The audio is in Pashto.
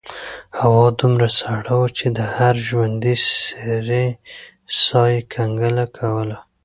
هوا دومره سړه وه چې د هر ژوندي سري ساه یې کنګل کوله.